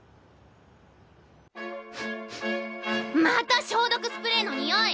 また消毒スプレーのにおい！